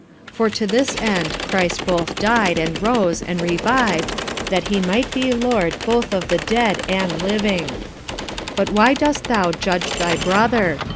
45:014:009 For to this end Christ both died, and rose, and revived, that he might be Lord both of the dead and living. 45:014:010 But why dost thou judge thy brother?